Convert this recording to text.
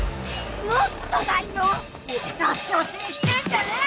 もっとだよ！出し惜しみしてんじゃねえ！